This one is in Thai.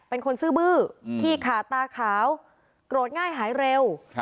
เป็นคนซื่อบื้อที่ขาตาขาวโกรธง่ายหายเร็ว